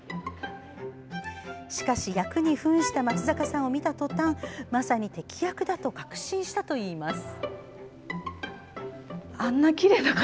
しかし役にふんした松坂さんを見た途端まさに適役だと確信したといいます。